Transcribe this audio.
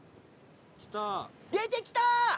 出てきた！